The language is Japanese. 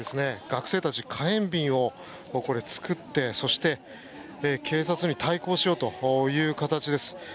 学生たち、火炎瓶を作ってそして、警察に対抗しようという形です。